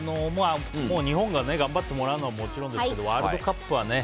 日本が頑張ってもらうのはもちろんですけどワールドカップはね